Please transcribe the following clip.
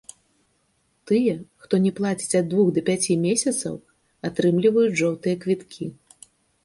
Тыя, хто не плаціць ад двух да пяці месяцаў, атрымліваюць жоўтыя квіткі.